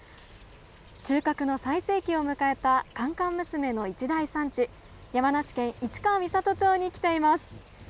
収穫の最盛期を迎えた甘々娘の一大産地、山梨県市川三郷町に来ています。